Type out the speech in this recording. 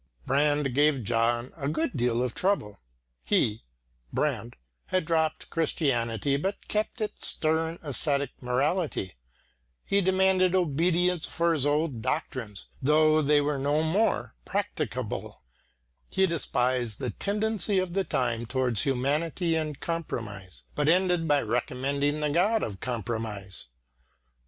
Brand gave John a good deal of trouble. He (Brand) had dropped Christianity but kept its stern ascetic morality; he demanded obedience for his old doctrines though they were no more practicable; he despised the tendency of the time towards humanity and compromise, but ended by recommending the God of compromise.